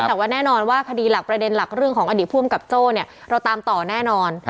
แต่ว่าแน่นอนว่าคดีหลักประเด็นหลักเรื่องของอดีตผู้อำกับโจ้เนี่ยเราตามต่อแน่นอน